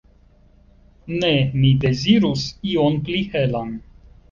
Ne, mi dezirus ion pli helan.